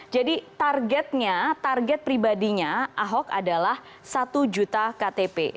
jadi targetnya target pribadinya ahok adalah satu juta ktp